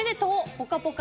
「ぽかぽか」